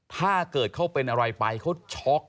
ถ้าเกิดเขาเป็นอะไรไปเขาช็อก